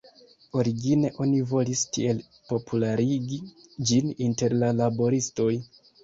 Origine oni volis tiel popularigi ĝin inter la laboristoj.